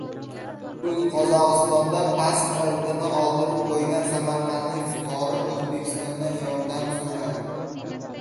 Qozog‘istonda "pasport"ini oldirib qo‘ygan samarqandlik fuqaro O‘zbekistondan yordam so‘radi